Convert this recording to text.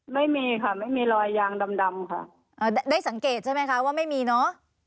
ไม่มีค่ะไม่มีรอยยางดำดำค่ะได้สังเกตใช่ไหมคะว่าไม่มีเนอะ